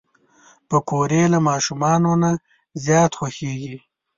پکورې له ماشومانو نه زیات خوښېږي